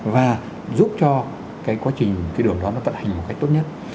và giúp cho cái quá trình cái đường đó nó vận hành một cách tốt nhất